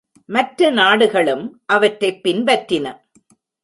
மற்ற நாடுகளும் அவற்றைப் பின்பற்றின.